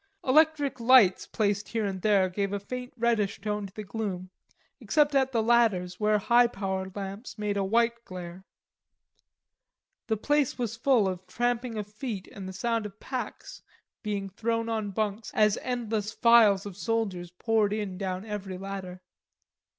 Electric lights placed here and there gave a faint reddish tone to the gloom, except at the ladders, where high power lamps made a white glare. The place was full of tramping of feet and the sound of packs being thrown on bunks as endless files of soldiers poured in down every ladder.